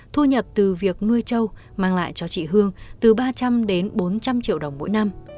thu nhập từ việc nuôi trâu mang lại cho chị hương từ ba trăm linh đến bốn trăm linh triệu đồng mỗi năm